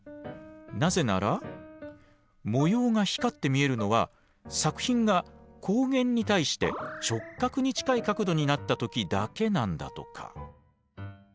なぜなら模様が光って見えるのは作品が光源に対して直角に近い角度になった時だけなんだとか。